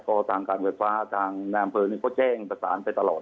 ก็ทางการไฟฟ้าทางด้านทำเผิญก็แจ้งประสานไปตลอด